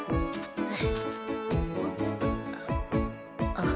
あっ。